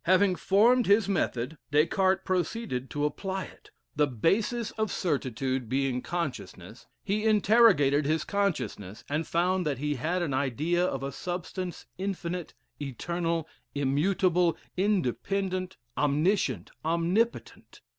Having formed his method, Des Cartes proceeded to apply it. The basis of certitude being consciousness, he interrogated his consciousness, and found that he had an idea of a substance infinite, eternal, immutable, independent, omniscient, omnipotent.